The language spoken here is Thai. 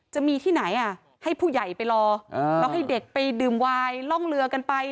จะมีที่ไหนอ่ะให้ผู้ใหญ่ไปรอแล้วให้เด็กไปดื่มวายล่องเรือกันไป